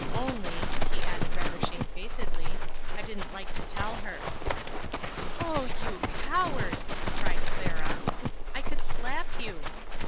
Only," he added rather shamefacedly, "I didn't like to tell her." "Oh, you coward!" cried Clara. "I could slap you."